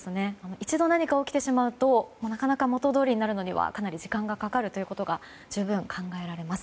一度、何か起きてしまうとなかなか、元どおりになるにはかなり時間がかかることが十分、考えられます。